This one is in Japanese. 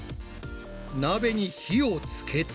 鍋に火をつけて。